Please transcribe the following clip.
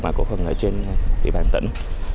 mã cổ phần ở trên địa bàn tỉnh